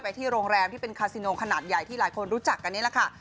ที่โรงแรมที่เป็นคาซิโนขนาดใหญ่ที่หลายคนรู้จักกันนี่แหละค่ะ